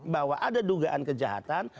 bahwa ada dugaan kejahatan